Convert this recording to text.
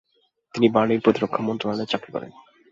তিনি বার্লিনে প্রতিরক্ষা মন্ত্রণালয়ে চাকরি করেন।